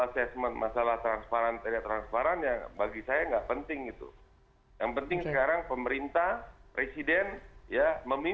derajat yang berat tadi